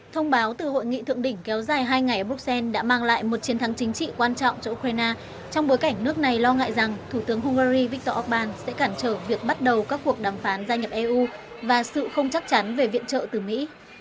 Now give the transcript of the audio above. thông báo từ hội nghị thượng đỉnh kéo dài hai ngày ở bruxelles đã mang lại một chiến thắng chính trị quan trọng cho ukraine trong bối cảnh nước này lo ngại rằng thủ tướng hungary viktor orbán sẽ cản trở việc bắt đầu các cuộc đàm phán gia nhập eu và sự không chắc chắn về viện trợ từ mỹ